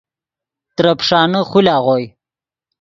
ترے پیݰانے خول آغوئے